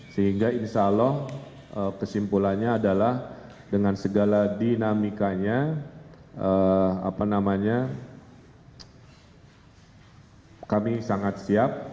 sehingga insya allah kesimpulannya adalah dengan segala dinamikanya kami sangat siap